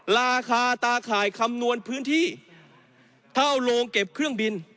ราคาตาข่ายคำนวณพื้นที่เท่าโรงเก็บเครื่องบิน